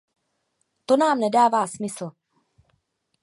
To nám nedává smysl.